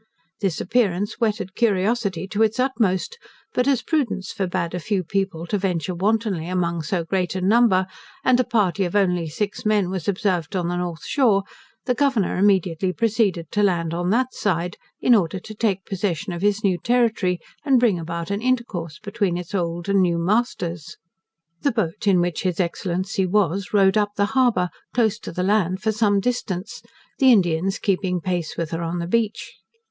This appearance whetted curiosity to its utmost, but as prudence forbade a few people to venture wantonly among so great a number, and a party of only six men was observed on the north shore, the Governor immediately proceeded to land on that side, in order to take possession of his new territory, and bring about an intercourse between its old and new masters. The boat in which his Excellency was, rowed up the harbour, close to the land, for some distance; the Indians keeping pace with her on the beach.